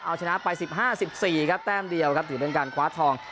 เอาชนะไป๑๕๑๔แต้มเดียวถือเป็นการคว้าทอง